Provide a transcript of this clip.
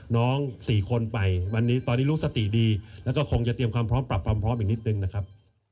๔คนไปวันนี้ตอนนี้รู้สติดีแล้วก็คงจะเตรียมความพร้อมปรับความพร้อมอีกนิดนึงนะครับ